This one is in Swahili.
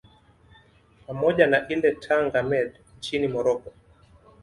pamoja na ile ya Tanger Med nchini Morocco